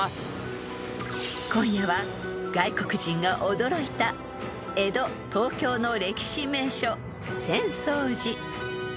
［今夜は外国人が驚いた江戸・東京の歴史名所浅草寺］